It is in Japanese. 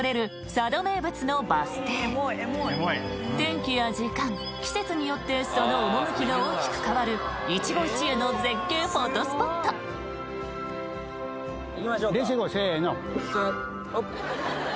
佐渡名物のバス停天候や時間季節によってその趣が大きく変わる一期一会の絶景フォトスポット練習いこうせの！